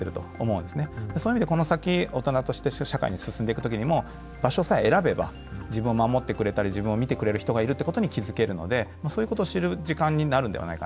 そういう意味でこの先大人として社会に進んでいく時にも場所さえ選べば自分を守ってくれたり自分を見てくれる人がいるってことに気付けるのでそういうことを知る時間になるんではないかなと思います。